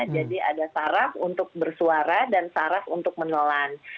jadi ada saraf untuk bersuara dan saraf untuk menelan